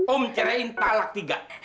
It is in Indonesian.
om cirein talak tiga